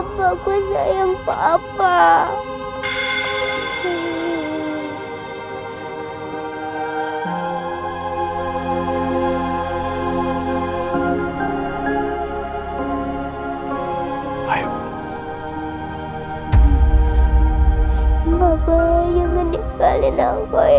tolong jangan pergi mas